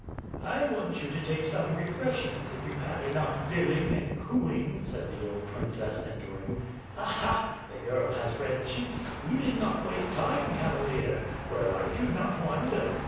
"I want you to take some refreshments, if youVe had enough billing and cooing," said the old princess entering. "Aha! the girl has red cheeks; you did not waste time, cava lier! Well, I do not wonder!"